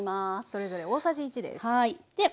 それぞれ大さじ１です。